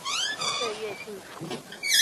歲月靜好